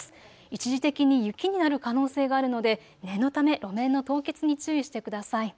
一時的に雪になる可能性があるので念のため路面の凍結に注意してください。